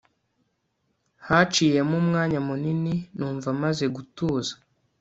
Haciyemo umwanya munini numva maze gutuza